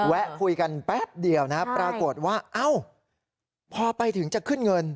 แวะคุยกันแป๊บเดียวนะปรากฏว่าเอ้าพอไปถึงจะขึ้นเงิน